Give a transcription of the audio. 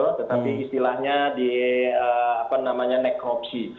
tetapi istilahnya di apa namanya necropsy